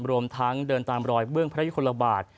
รวมทั้งเดินตามรอยเบื้องพระยุคลบาท